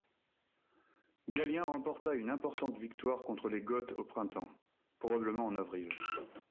Gallien remporta une importante victoire contre les Goths au printemps, probablement en avril.